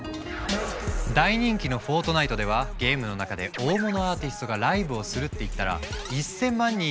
大人気の「フォートナイト」ではゲームの中で大物アーティストがライブをするって言ったら。